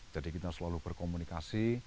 jadi kita selalu berkomunikasi